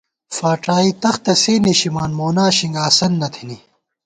فاڄائی تختہ سے نِشِمان، مونا شِنگ آسند نہ تھنی